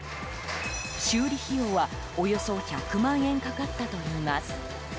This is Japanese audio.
修理費用は、およそ１００万円かかったといいます。